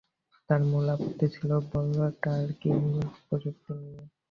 তাঁর মূল আপত্তি ছিল বল ট্র্যাকিং প্রযুক্তি নিয়ে।